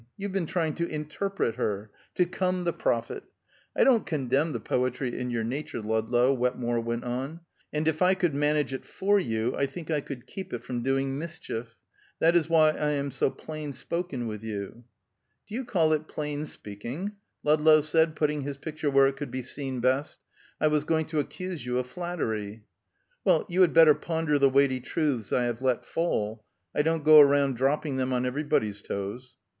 You've been trying to interpret her; to come the prophet! I don't condemn the poetry in your nature, Ludlow," Wetmore went on, "and if I could manage it for you, I think I could keep it from doing mischief. That is why I am so plain spoken with you." "Do you call it plain speaking?" Ludlow said, putting his picture where it could be seen best. "I was going to accuse you of flattery." "Well, you had better ponder the weighty truths I have let fall. I don't go round dropping them on everybody's toes."